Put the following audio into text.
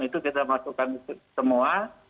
itu kita masukkan semua